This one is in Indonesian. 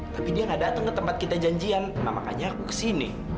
tapi dia gak datang ke tempat kita janjian nah makanya aku kesini